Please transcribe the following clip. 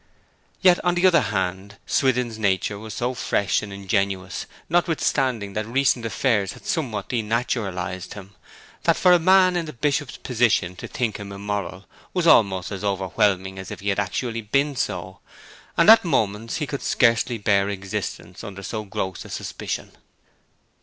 Yet, on the other hand, Swithin's nature was so fresh and ingenuous, notwithstanding that recent affairs had somewhat denaturalized him, that for a man in the Bishop's position to think him immoral was almost as overwhelming as if he had actually been so, and at moments he could scarcely bear existence under so gross a suspicion.